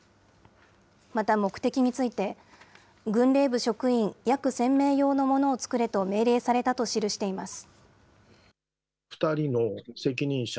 また、目的について、軍令部職員約千名用のものを作れと命令されたと記しています。